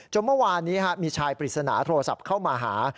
เมื่อวานนี้มีชายปริศนาโทรศัพท์เข้ามาหา